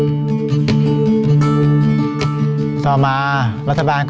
ทำเป็นผู้สาเชื่อมให้น้องรักปั่นจักรยานไปขายตามหมู่บ้านค่ะ